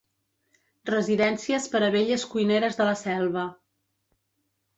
Residències per a velles cuineres de la Selva.